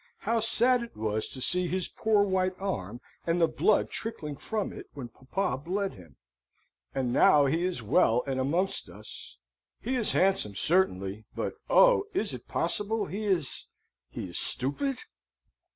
How sad it was to see his poor white arm, and the blood trickling from it when papa bled him! And now he is well and amongst us, he is handsome certainly, but oh, is it possible he is he is stupid?"